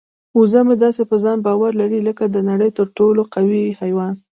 وزه مې داسې په ځان باور لري لکه د نړۍ تر ټولو قوي حیوان.